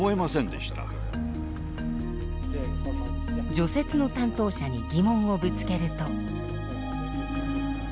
除雪の担当者に疑問をぶつけると。